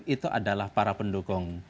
itu adalah para pendukung